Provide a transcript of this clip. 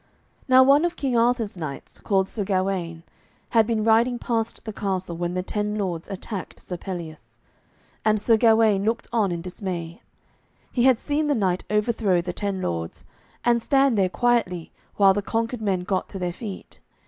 Now one of King Arthur's knights, called Sir Gawaine, had been riding past the castle when the ten lords attacked Sir Pelleas. And Sir Gawaine had looked on in dismay. He had seen the knight overthrow the ten lords, and stand there quietly while the conquered men got to their feet.